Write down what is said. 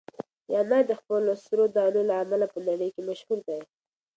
دا انار د خپلو سرو دانو له امله په نړۍ کې مشهور دي.